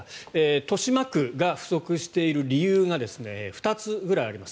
豊島区が不足している理由が２つくらいあります。